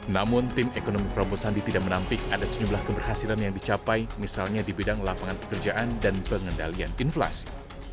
namun tim ekonomi prabowo sandi tidak menampik ada sejumlah keberhasilan yang dicapai misalnya di bidang lapangan pekerjaan dan pengendalian inflasi